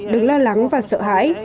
đừng lo lắng và sợ hãi